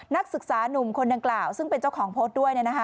นักศึกษานุ่มคนดังกล่าวซึ่งเป็นเจ้าของโพสต์ด้วย